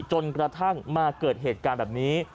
จนกระทั่งมาเกิดเหตุการณ์แบบนี้